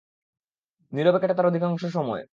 নীরবে কাটে তার অধিকাংশ সময়।